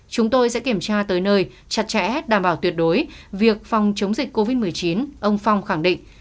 chúng tôi sẽ kiểm tra tới nơi chặt chẽ đảm bảo tuyệt đối việc phòng chống dịch covid một mươi chín ông phong khẳng định